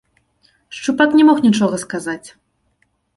Шчупак не мог нічога сказаць.